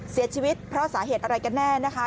เสียชีวิตเพราะสาเหตุอะไรกันแน่นะคะ